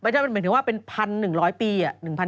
หมายถึงว่าเป็นพันหนึ่งร้อยปี